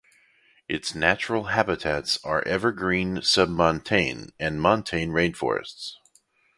Its natural habitats are evergreen submontane and montane rainforests.